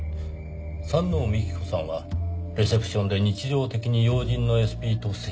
山王美紀子さんはレセプションで日常的に要人のＳＰと接していた。